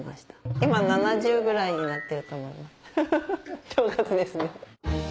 今７０ぐらいになってると思いますフフフ。